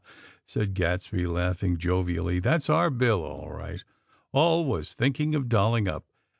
said Gadsby, laughing jovially; "That's our Bill, all right! Always thinking of dolling up!"